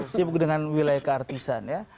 sibuk dengan wilayah keartisan ya